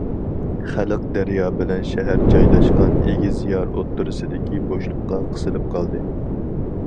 خەلق دەريا بىلەن شەھەر جايلاشقان ئېگىز يار ئوتتۇرىسىدىكى بوشلۇققا قىسىلىپ قالدى.